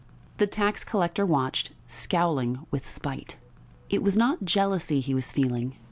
The tax collector watched, scowling with spite.... It was not jealousy he was feeling.